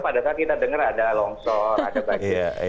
pada saat kita denger ada longsor ada bajir